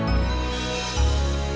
saya akan menanggungmu